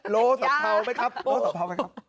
โลสัมเภาไหมครับโลสัมเภาไหมครับ